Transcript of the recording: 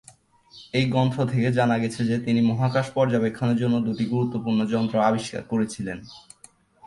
এই গ্রন্থ থেকে জানা গেছে যে তিনি মহাকাশ পর্যবেক্ষণের জন্য দুটি গুরুত্বপূর্ণ যন্ত্র আবিষ্কার করেছিলেন।